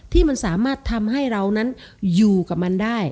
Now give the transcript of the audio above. ที่มันสามารถทำให้เรานั้นอยู่กับมันได้